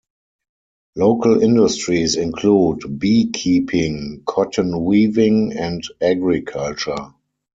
Local industries include beekeeping, cotton weaving, and agriculture.